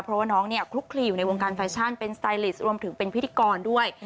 เพราะว่าน้องเนี่ยคลุกคลีอยู่ในวงการแฟชั่นเป็นสไตลิสรวมถึงเป็นพิธีกรด้วย